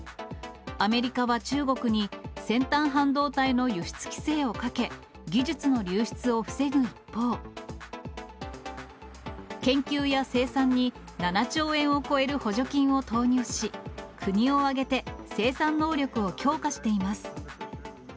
アメリカは中国に先端半導体の輸出規制をかけ、技術の流出を防ぐ一方、研究や生産に７兆円を超える補助金を投入し、国を挙げて生産能力を強化しています。